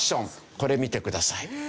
これを見てください。